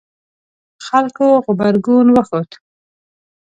خلکو غبرګون وښود